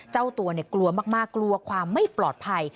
เจ้าตัวกลัวมากกลัวความไม่ปลอดภัย